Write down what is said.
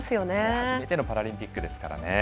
初めてのパラリンピックですからね。